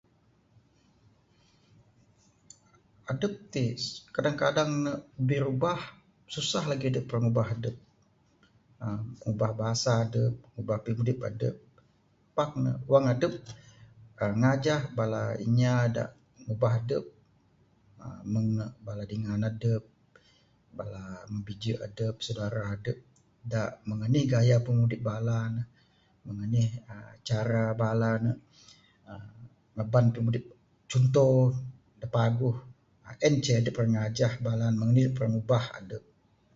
Adep ti, kadang kadang ne birubah. Susah lagi adep ngubah adep, aaa ngubah basa adep, ngubah pimudip adep, pak ne wang adep kan ngajah bala inya da ngubah adep aaa meng ne bala dingan adep, bala bijek adep, saudara adep, da meng anih gaya pimudip bala ne, meng anih aaa cara bala ne aaa ngaban pimudip, chunto da paguh aaa en ceh ngajah bala meng anih ra ngubah adep.